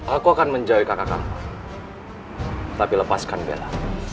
aku akan menjauhi kakak kamu tapi lepaskan bella